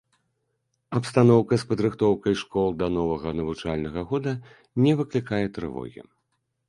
Абстаноўка з падрыхтоўкай школ да новага навучальнага года не выклікае трывогі.